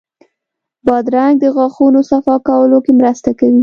بادرنګ د غاښونو صفا کولو کې مرسته کوي.